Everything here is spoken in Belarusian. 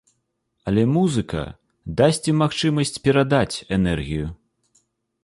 Але музыка дасць ім магчымасць перадаць энергію.